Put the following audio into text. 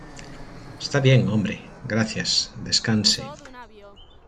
Está bien, hombre, gracias. Descanse.